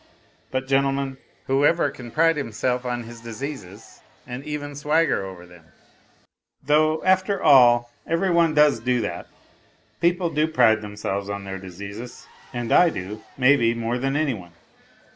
But, gentlemen, whoever can pride himself on his diseases and even swagger over them ? Though, after all, every one does do that; people do pride themselves on their diseases, and I do, may be, more than any one.